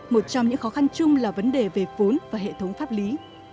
một trong những khó khăn chung là vấn đề về vốn và hệ thống pháp lý